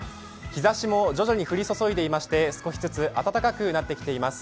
日ざしも徐々に降り注いでいまして少しずつ温かくなってきています。